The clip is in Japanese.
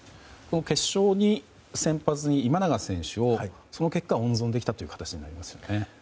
決勝の先発に、今永選手をその結果温存できた形になりますよね。